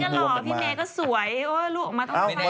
โอ๊ยลูกออกมาต้องไป